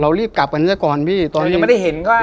เรารีบกลับกันที่ก่อนพี่ตอนนี้แต่ไม่ได้เห็นว่า